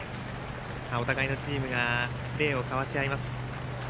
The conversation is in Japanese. お互いのチームが礼を交し合います。